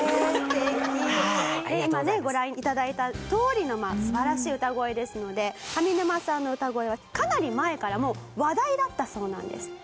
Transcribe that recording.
今ねご覧頂いたとおりの素晴らしい歌声ですので上沼さんの歌声はかなり前からもう話題だったそうなんです。